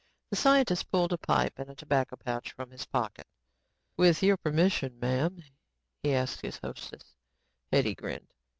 The scientist pulled a pipe and tobacco pouch from his pocket. "With your permission, m'am," he asked his hostess. Hetty grinned.